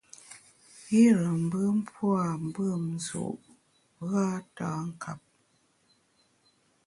Yire mbùm pua’ mbùm nzu’ gha tâ nkap.